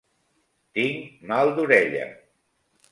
Tinc mal d'orella.